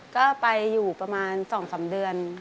ก็ไปอยู่ประมาณ๒๓เดือน